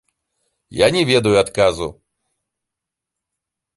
Я не ведаю адказу.